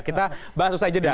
kita bahas selesai saja